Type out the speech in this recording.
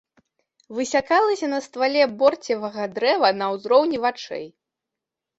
Высякалася на ствале борцевага дрэва на ўзроўні вачэй.